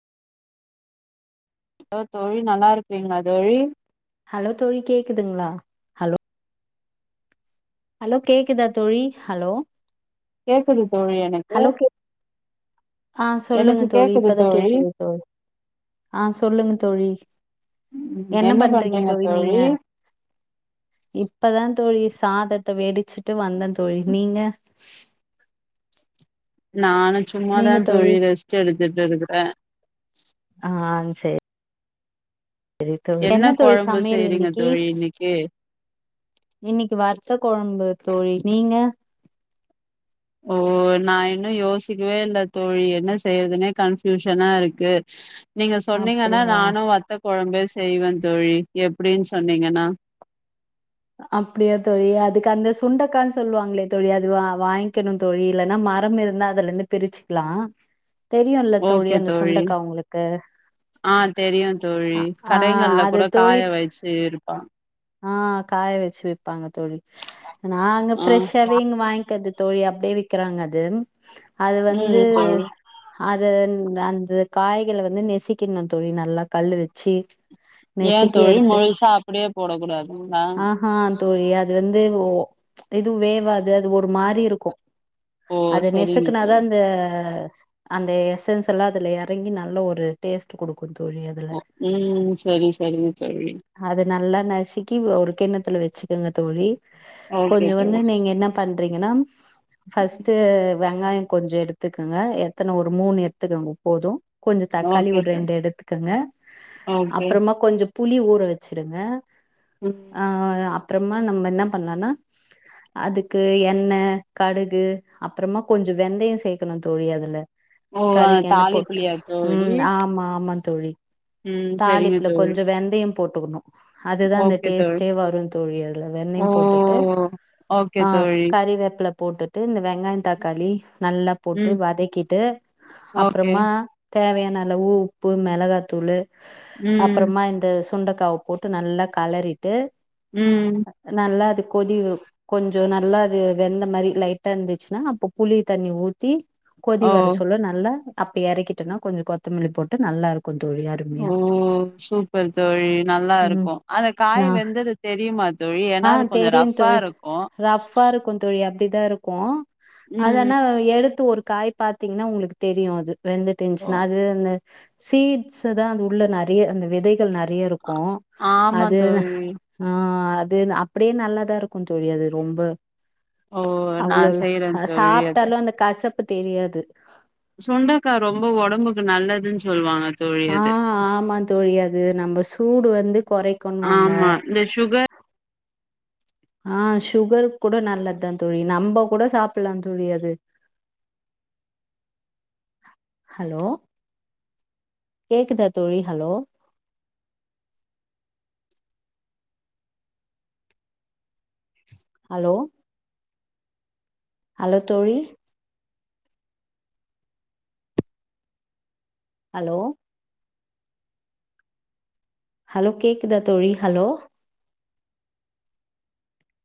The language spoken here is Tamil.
ஹலோ தோழி நல்லாருக்கீங்களா தோழி ஹலோ தோழி கேக்குதுங்களா ஹலோ ஹலோ கேக்குதா தோழி ஹலோ கேக்குது தோழி எனக்கு ஹலோ கே ஆ சொல்லுங்க எனக்கு தோழி கேக்குது இப்பதா தோழி கேக்குது தோழி ஆ சொல்லுங்க தோழி என்ன பண்றீங்க தோழி நீங்க இப்பதா தோழி சாதத்த வெடிச்சுட்டு வந்தே தோழி நீங்க நானும் சும்மாதா தோழி ரெஸ்ட் எடுத்துட்டு இருக்குறே ஆ சேர் ரி தோழி என்ன தோழி கொழம்பு சமையல் செய்றீங்க இன்னிக்கீ தோழி இன்னைக்கு இன்னிக்கீ வத்த கொழம்பு தோழி நீங்க ஓ நா இன்னு யோசிக்கவே இல்ல தோழி என்ன செய்யறதுனே கன்ஃப்யூஷனா இருக்கு நீங்க சொன்னீங்கன்னா அப்டியா நானு வத்த கொழம்பே செய்வே தோழி எப்டினு சொன்னீங்கன்னா அப்டியா தோழி அதுக்கு அந்த சுண்டக்கானு சொல்வாங்களே தோழி அது வா வாங்கிகணு தோழி இல்லன்னா மரம் இருந்தா அதுல இருந்து பிர்ச்சுக்கலா தெரியுல்ல தோழி அந்த சுண்டக்கா உங்களுக்கு ஆ தெரியும் தோழி அ ஆ கடைங்கள்ல அது கூட காய தோழி ஃப் வச்சு இருப்பா ஆ காய வெச்சு விப்பாங்க தோழி நா அங்க ஆ ஃப்ரெஷ்ஷாவே இங்க வாய்ங்குறது தோழி அப்டியே விக்கிறாங்க அது அது வந்து ம் தோழி அதன் அந்த காய்கள வந்து நெசிக்கெணு தோழி நல்லா கல்லு வெச்சி ஏ தோழி முழுசா அப்டியே போட கூடாதுங்களா ஆ தோழி அது வந்து ஓ எதும் வேவாது அது ஒரு மாரிருக்கும் ஓ அது சரிங்க நெசுக்குனாதா தோழி அந்த அந்த எசன்ஸ் எல்லா அதுல எறங்கி நல்ல ஒரு டேஸ்ட்டு குடுக்கு தோழி அதுல ம் சரி சரிங்க தோழி அது நல்லா நசுக்கி ஒரு கிண்ணத்துல வச்சுக்கிங்க தோழி ஓகே கொஞ்சோ வந்து தோழி நீங்க என்னப் பண்றீங்கன்னா பஸ்ட்டு வெங்காயோ கொஞ்சோ எடுத்துக்கங்க எத்தன ஒரு மூணு எடுத்துக்கங்க போதும் கொஞ்சோ தக்காளி ஓகே ஒரு தோழி ரெண்டு எடுத்துக்கங்க ஓகே அப்பறமா கொஞ்சோ புளி ஊற வெச்சிடுங்க ம் ஆ அப்பறமா நம்ம என்ன பண்ணனா அதுக்கு எண்ண கடுகு அப்பறமா கொஞ்சோ வெந்தயோ சேக்கணு தோழி அதுல ஓ கடுக் கென்ன போட்டு தாலிப்புலியா தோழி ம் ஆமா ஆமா தோழி ம் சரிங்க தாளிப்புல தோழி கொஞ்சோ வெந்தயோ போட்டுக்கணு அதுதா அந்த ஓகே தோழி டேஸ்ட்டே வரும் தோழி அதுல ஓ வெண்ணையு போட்டுட்டு ஓகே ஆ தோழி கறிவேப்பில போட்டுட்டு இந்த வெங்காயோ தக்காளி நல்லா போட்டு ம் வதக்கிட்டு ஓகே அப்பறமா தேவையான அளவு உப்பு மிளகாத்தூளு ம் அப்பறமா இந்த சுண்டக்காவ போட்டு நல்லா களறிட்டு ம் நல்லா அது கொதிவு கொஞ்சோ நல்லா அது வெந்த மாதிரி லைட்டா இருந்துச்சின்னா அப்ப புளி தண்ணி ஊத் த்தி கொதி ஓ வர சொல்ல நல்லா அப்ப எறக்கிட்டோனா கொஞ்சோ கொத்தமல்லி போட்டு நல்லாருக்கும் தோழி ஓ அருமையா சூப்பர் தோழி ம் நல்லாருக்கு அந்த காய் நா வெந்தது தெரியுமா தோழி ஆ ஏன்னா அது கொஞ்சோ ரஃப்பாருக்கு கொந் தோழி அப்டிதா இருக்கு ம் அதனா எடுத்து ஒரு காய் பாத் பாத்தீங்ன்னா உங்ளுக்கு தெரியு அது வெந்துட் ஓ இருந்ச்சின்னா அது இந்து சீட்ஸ தா அந்த உள்ள நறைய அந்த விதைகள் நறைய இருக்கு ஆமா அதுனா தோழி ஆ அதுன் அப்படியே நல்லாதா இருக்குன்தோழி அது ரொம்ப ஓ நான் அவ்ளவ்லா செய்றேன் அ தோழி அத சாப்ட்டாலு அந்த கசப்பு தெரியாது சுண்டக்கா ரொம்ப ஒடம்புக்கு நல்லதுன் சொல்வாங்க ஆ ஆமா தோழி அது நம்ப சூடு வந்து குறைக்குண்வாங்க ஆமா இந்த சுகர் ஆ சுகர் கூட நல்லத்தா தோழி நம்ப கூட சாப்புலா தோழி அது ஹலோ கேக்குதா தோழி ஹலோ அலோ ஹலோ தோழி அலோ ஹலோ கேக்குதா தோழி ஹலோ